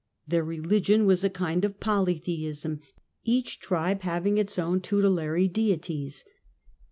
Their religion was a kind of polytheism, each tribe having its own tutelary deities.